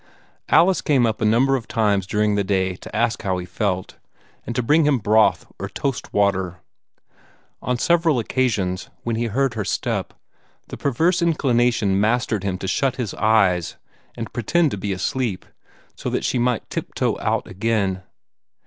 Alice came up a number of times during the day to ask how he felt, and to bring him broth or toast water. On several occasions, when he heard her step, the perverse inclination mastered him to shut his eyes, and pretend to be asleep, so that she might tip toe out again.